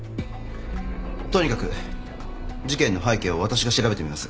とにかく事件の背景を私が調べてみます。